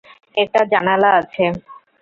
একটা জানালা আছে।